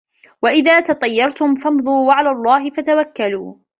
وَإِذَا تَطَيَّرْتُمْ فَامْضُوا وَعَلَى اللَّهِ فَتَوَكَّلُوا